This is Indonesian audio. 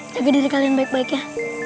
tapi diri kalian baik baik ya